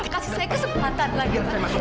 kasih saya kesempatan lagi